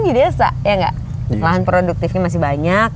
di mana tempat yang ada lahan produktif yang bisa menolong pangan